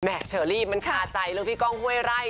แม่เถอะรีมมีขาใจเรื่องเรื่องพี่ก้องฮวยไล่